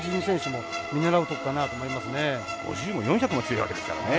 ５０も４００も強いわけですからね。